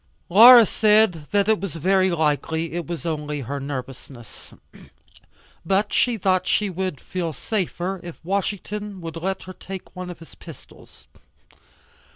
Laura said that very likely it was only her nervousness. But she thought she would feel safer if Washington would let her take one of his pistols.